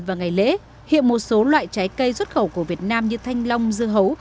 và ngày lễ hiện một số loại trái cây xuất khẩu của việt nam như thanh long dưa hấu